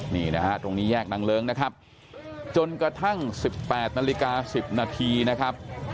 นี่นะฮะตรงนี้แยกนางเลิ้งนะครับจนกระทั่ง๑๘นาฬิกา๑๐นาทีนะครับ